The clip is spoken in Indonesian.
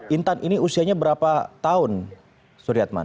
intan ini usianya berapa tahun suriatman